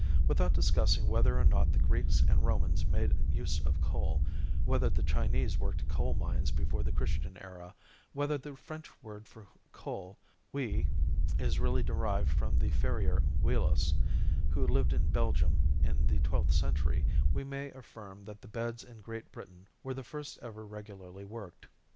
Without discussing whether or not the Greeks and Romans made use of coal, whether the Chinese worked coal mines before the Christian era, whether the French word for coal (houille) is really derived from the farrier Houillos, who lived in Belgium in the twelfth century, we may affirm that the beds in Great Britain were the first ever regularly worked.